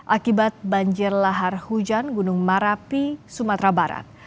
akibat banjir lahar hujan gunung merapi sumatera barat